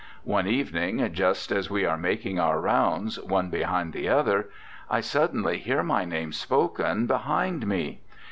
One evening, just as we are mak ing our round, one behind the other, I suddenly hear my name spoken behind me.